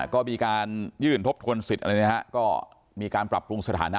ก็มีการยื่นทบทวนสิทธิ์มีการปรับปรุงสถานะ